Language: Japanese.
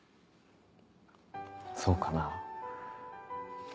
そうかな。